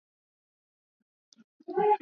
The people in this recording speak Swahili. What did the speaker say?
virusi vya ukimwi duniani na umeonyesha